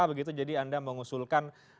begitu jadi anda mengusulkan